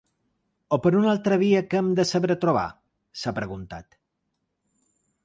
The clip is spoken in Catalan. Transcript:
O per una altra via que hem de saber trobar?, s’ha preguntat.